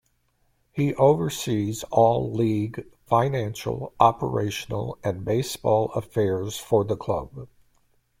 He oversees all league, financial, operational and baseball affairs for the club.